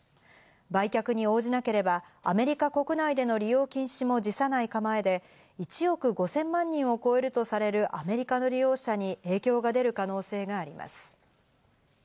売却に応じなければ、アメリカ国内での利用禁止も辞さない構えで、１億５０００万人を超えるとされるアメリカの利用者に影響が出る可能性があります。